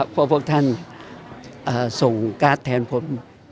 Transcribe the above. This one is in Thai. เพราะพวกท่านส่งการ์ดแทนผม